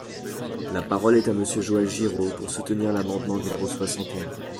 La parole est à Monsieur Joël Giraud, pour soutenir l’amendement numéro soixante et un.